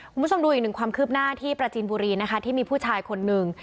คุณผู้ชมดูอีกหนึ่งความคืบหน้าที่ปราจีนบุรีนะคะที่มีผู้ชายคนหนึ่ง